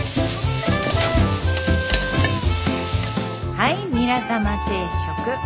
はいニラ玉定食。